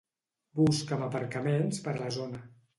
Busca'm aparcaments per la zona.